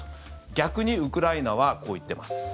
逆に、ウクライナはこう言っています。